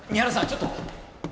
ちょっと！